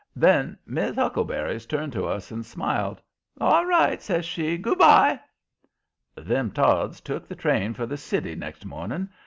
Then Miss Huckleberries turned to us and smiled. "ALL right," says she; "GOO' by." Them Todds took the train for the city next morning.